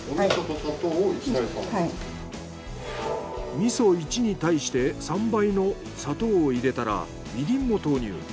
味噌１に対して３倍の砂糖を入れたらみりんも投入。